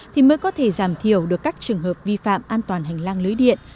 thì mới có thể giảm thiểu được các trường hợp vi phạm an toàn hành lang lưới điện